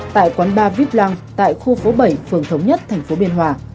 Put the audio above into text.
tại quán ba vip lang tại khu phố bảy phường thống nhất tp biên hòa